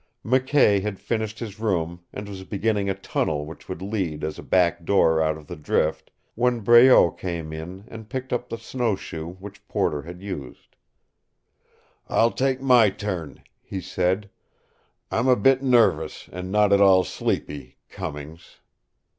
McKay had finished his room, and was beginning a tunnel which would lead as a back door out of the drift, when Breault came in and picked up the snowshoe which Porter had used. "I'll take my turn," he said. "I'm a bit nervous, and not at all sleepy, Cummings."